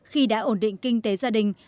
khi đã ổn định kinh tế gia đình